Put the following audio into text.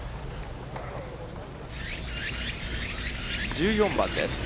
１４番です。